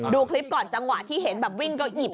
ดูคลิปก่อนจังหวะที่เห็นแบบวิ่งก็หยิบ